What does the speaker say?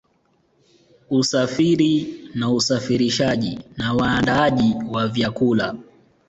Usafiri na usafirishaji na waandaaji wa vyakula